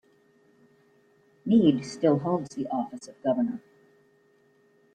Mead still holds the office of governor.